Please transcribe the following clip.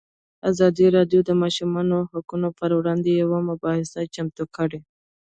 ازادي راډیو د د ماشومانو حقونه پر وړاندې یوه مباحثه چمتو کړې.